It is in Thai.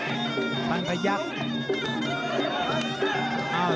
เอามันเกี้ยว